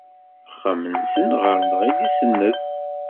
Axxam-nsen ɣer-neɣ ay d-isenned.